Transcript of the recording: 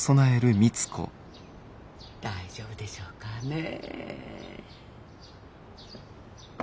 大丈夫でしょうかねえ。